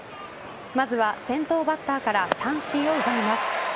まずは先頭バッターから三振を奪います。